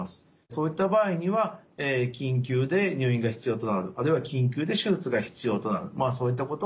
そういった場合には緊急で入院が必要となるあるいは緊急で手術が必要となるそういったことがありえます。